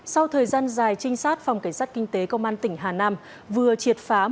sau thời gian dài trinh sát phòng cảnh sát kinh tế công an tỉnh hà nam vừa triệt phá